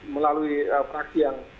melalui fraksi yang